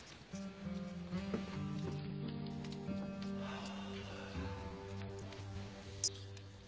ああ。